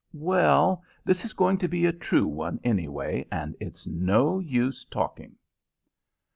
"Well, this is going to be a true one, anyway, and it's no use talking."